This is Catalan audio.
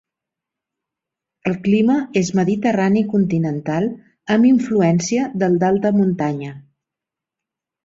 El clima és mediterrani continental amb influència del d'alta muntanya.